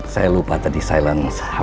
saya lupa tadi silence hp nya